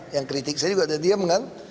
yang kritik saya juga ada diem kan